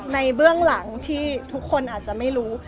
เบื้องหลังที่ทุกคนอาจจะไม่รู้